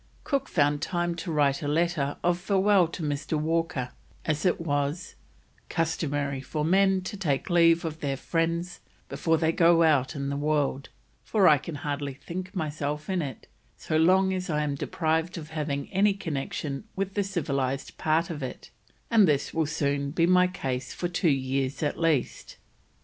Cook found time to write a letter of farewell to Mr. Walker, as it was: "customary for men to take leave of their friends before they go out of the world; for I can hardly think myself in it, so long as I am deprived of having any connection with the civilised part of it, and this will soon be my case for two years at least."